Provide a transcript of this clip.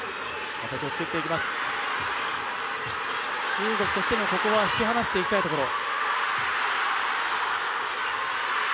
中国としても、ここは引き離していきたいところ。